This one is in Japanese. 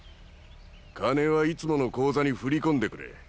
金はいつもの口座に振り込んでくれ。